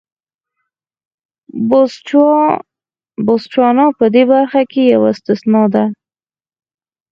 بوتسوانا په دې برخه کې یوه استثنا ده.